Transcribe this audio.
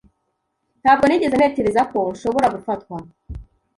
Ntabwo nigeze ntekereza ko nshobora gufatwa.